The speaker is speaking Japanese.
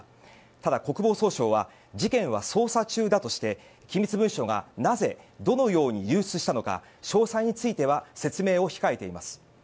ただ、国防総省は事件は捜査中だとして機密文書がなぜどのように流出したのか詳細については説明を控えています。